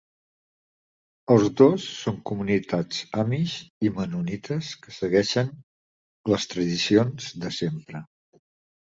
Els dos són comunitats amish i mennonites que segueixen les tradicions de sempre.